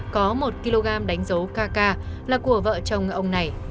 có một kg đánh dấu cak là của vợ chồng ông này